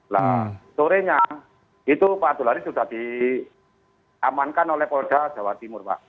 nah sorenya itu pak abdul haris sudah diamankan oleh polda jawa timur pak